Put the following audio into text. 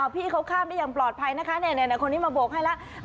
พี่เขาข้ามได้อย่างปลอดภัยนะคะคนนี้มาโบกให้แล้ว